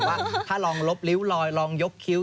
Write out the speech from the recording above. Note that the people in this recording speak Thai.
ว่าถ้าลองลบริ้วลอยลองยกคิ้ว